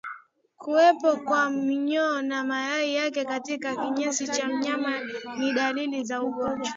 Kuwepo kwa minyoo na mayai yake katika kinyesi cha mnyama ni dalili za ugonjwa